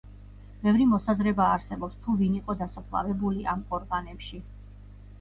ბევრი მოსაზრება არსებობს თუ ვინ იყო დასაფლავებული ამ ყორღანებში.